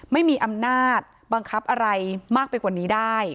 ไม่มีอำนาจบังคับอะไรมากไปกว่านี้ได้